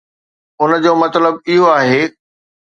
ان جو مطلب اهو آهي.